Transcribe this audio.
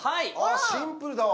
シンプルだわ。